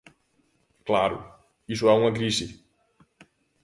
Claro, iso é unha crise.